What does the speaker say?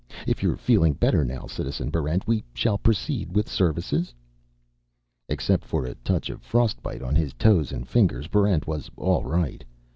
If you're feeling better now, Citizen Barrent, shall we proceed with services?" Except for a touch of frostbite on his toes and fingers, Barrent was all right.